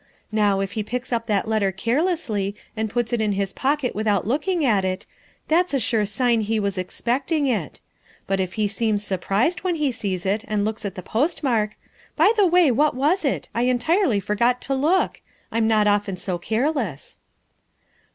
Now, if he picks up that letter carelessly and puts it in his pocket without looking at it, that's a sure sign he was expecting it. But if he seems surprised when he sees it and looks at the postmark By the way, what was it? I entirely forgot to look. I'm not often so careless.